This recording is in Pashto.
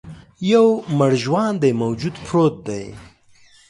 یو مړ ژواندی موجود پروت دی.